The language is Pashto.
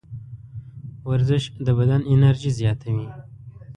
ورزش د بدن انرژي زیاتوي.